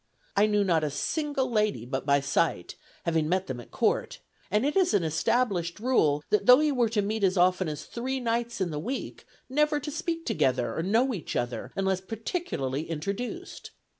I knew not a single lady but by sight, having met them at Court; and it is an established rule, that though you were to meet as often as three nights in the week, never to speak together, or know each other, unless particularly introduced.